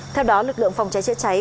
theo đó lực lượng phòng cháy chữa cháy